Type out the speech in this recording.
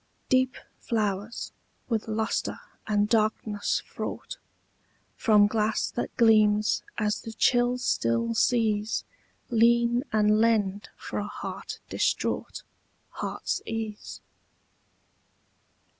Deep flowers, with lustre and darkness fraught, From glass that gleams as the chill still seas Lean and lend for a heart distraught Heart's ease.